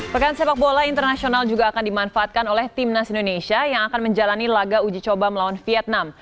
pekan sepak bola internasional juga akan dimanfaatkan oleh timnas indonesia yang akan menjalani laga uji coba melawan vietnam